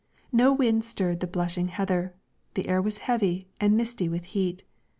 No wind stirred the blushing heather; the air was heavy and misty with heat.